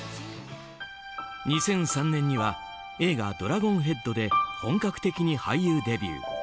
２００３年には映画「ドラゴンヘッド」で本格的に俳優デビュー。